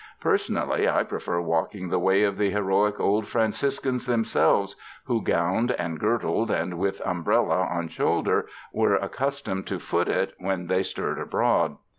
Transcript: Personally I prefer walking, the way of the heroic old Franciscans themselves, who, gowned and girdled and with umbrella on shoulder, were accus tomed to foot it when they stirred abroad.